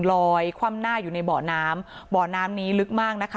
คว่ำหน้าอยู่ในเบาะน้ำบ่อน้ำนี้ลึกมากนะคะ